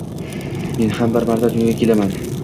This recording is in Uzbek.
Men ham bir marta dunyoga kelaman